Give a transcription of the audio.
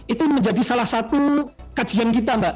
itu menjadi salah satu kajian kita mbak